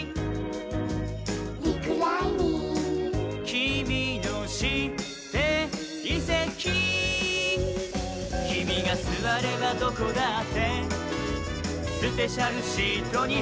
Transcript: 「きみのしていせき」「きみがすわればどこだってスペシャルシートにはやがわり」